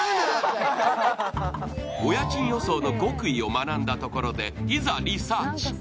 お家賃予想の極意を学んだところでいざリサーチ。